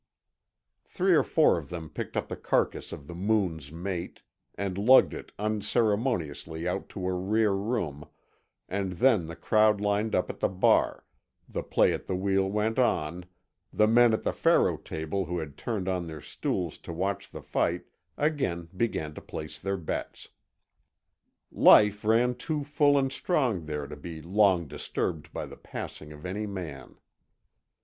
Three or four of them picked up the carcass of the Moon's mate and lugged it unceremoniously out to a rear room, and then the crowd lined up at the bar, the play at the wheel went on, the men at the faro table who had turned on their stools to watch the fight again began to place their bets. Life ran too full and strong there to be long disturbed by the passing of any man.